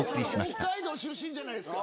北海道出身じゃないですか。